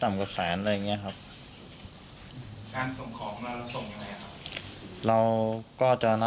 จากนั้นก็จะนำมาพักไว้ที่ห้องพลาสติกไปวางเอาไว้ตามจุดนัดต่าง